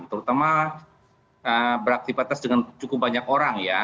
terutama beraktivitas dengan cukup banyak orang ya